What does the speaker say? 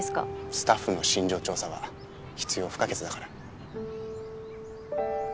スタッフの身上調査は必要不可欠だから。